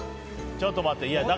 ちょっと待ってと。